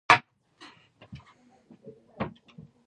آیا د آیس کریم فابریکې لرو؟